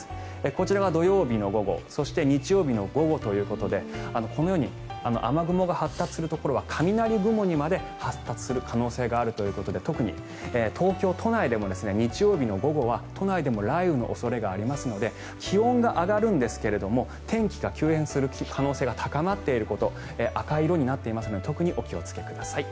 こちらは土曜日の午後そして日曜日の午後ということでこのように雨雲が発達するところは雷雲にまで発達する可能性があるということで特に東京都内でも日曜日の午後は都内でも雷雨の恐れがありますので気温は上がるんですが天気が急変する可能性が高まっていること赤い色になっていますので特にお気をつけください。